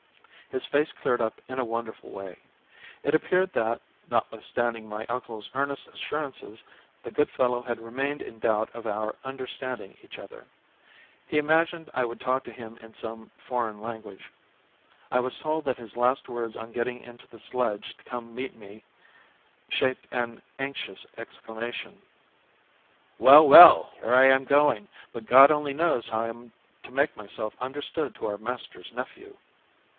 His face cleared up in a wonderful way. It appeared that, notwithstanding my uncle's earnest assurances, the good fellow had remained in doubt of our understanding each other. He imagined I would talk to him in some foreign language. I was told that his last words on getting into the sledge to come to meet me shaped an anxious exclamation: "Well! Well! Here I am going, but God only knows how I am to make myself understood to our master's nephew."